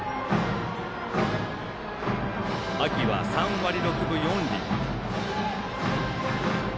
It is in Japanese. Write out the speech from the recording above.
秋は３割６分４厘。